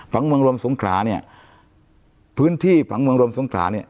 เมืองรวมสงขลาเนี่ยพื้นที่ผังเมืองรวมสงขลาเนี่ย